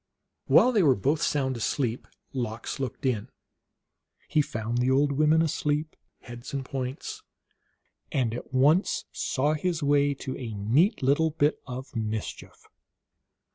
While they were both sound asleep Lox looked in. He found the old women asleep, heads and points, and at once saw his way to a neat little bit of mischief.